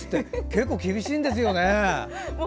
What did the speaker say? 結構厳しいんです。